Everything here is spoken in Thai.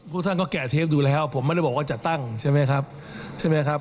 พวกท่านก็แก่เทปดูแล้วผมไม่ได้บอกว่าจะตั้งใช่ไหมครับ